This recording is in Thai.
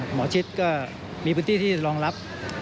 หมอชิดก็มีพื้นที่ที่รองรับ